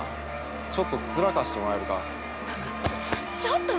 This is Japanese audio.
ちょっと面貸してもらえるか？